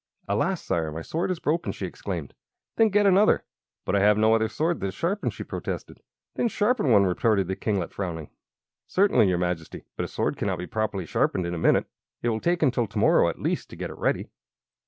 "Alas, Sire! my sword is broken!" she exclaimed. "Then get another." "But I have no other sword that is sharpened," she protested. "Then sharpen one!" retorted the kinglet, frowning. "Certainly, your Majesty. But a sword cannot be properly sharpened in a minute. It will take until to morrow, at least, to get it ready."